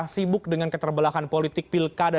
sibuk dengan keterbelahan politik pilkada